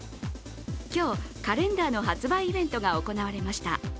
今日、カレンダーの発売イベントが行われました。